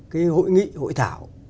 cái hội nghị hội thảo